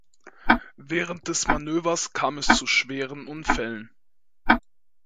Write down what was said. Während des Manövers kam es zu schweren Unfällen.